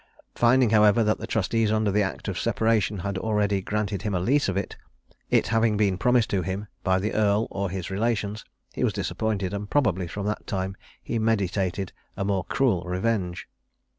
Finding, however, that the trustees under the act of separation had already granted him a lease of it, it having been promised to him by the earl or his relations, he was disappointed, and probably from that time he meditated a more cruel revenge.